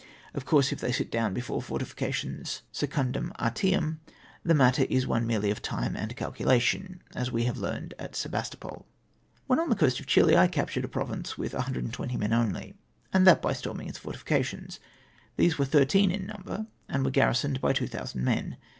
Of course, if they sit down before fortifications secundum artem, the matter is one merely of time and calculation, as Ave have learned at Sebastopol. Wlien on the coast of Chih I captured a province with 120 men only, and that by storming its fortifica tions. These were thirteen in number, and were gar risoned by 2000 men.